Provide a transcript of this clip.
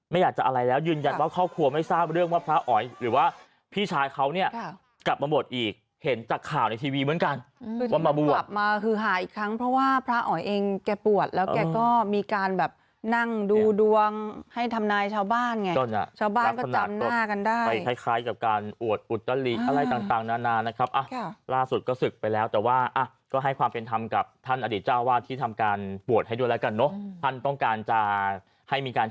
ไม่อยากจะอะไรแล้วยืนยันว่าเข้าควรไม่ทราบเรื่องว่าพระอ๋อยหรือว่าพี่ชายเขา